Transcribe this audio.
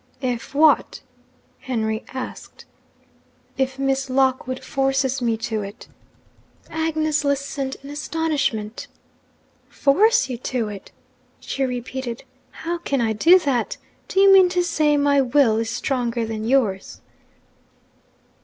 'If what?' Henry asked. 'If Miss Lockwood forces me to it.' Agnes listened in astonishment. 'Force you to it?' she repeated. 'How can I do that? Do you mean to say my will is stronger than yours?'